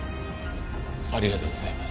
ありがとうございます。